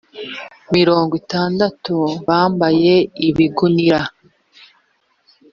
mirongo itandatu bambaye ibigunira